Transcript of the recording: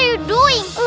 ikuti musuh di belakang